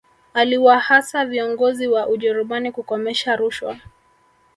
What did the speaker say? aliwahasa viongozi wa ujerumani kukomesha rushwa